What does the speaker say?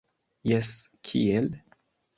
Jes kiel?